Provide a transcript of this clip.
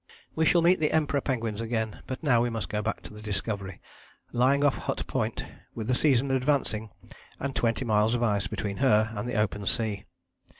" We shall meet the Emperor penguins again, but now we must go back to the Discovery, lying off Hut Point, with the season advancing and twenty miles of ice between her and the open sea.